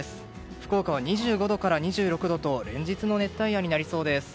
福岡は２５度から２６度と連日の熱帯夜になりそうです。